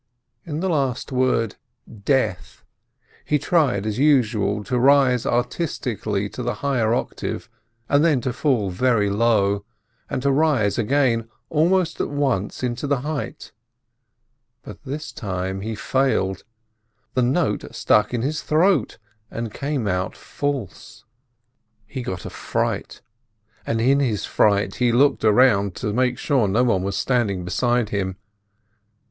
In the last word "death" he tried, as usual, to rise artistically to the higher octave, then to fall very low, and to rise again almost at once into the height; but this time he failed, the note stuck in his throat and came out false. He got a fright, and in his fright he looked round to make sure no one was standing beside him.